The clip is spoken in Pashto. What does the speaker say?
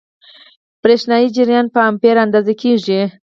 برېښنايي جریان په امپیر اندازه کېږي.